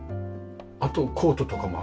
あとコートとかも入るし。